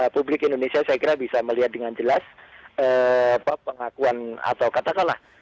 publik indonesia saya kira bisa melihat dengan jelas pengakuan atau katakanlah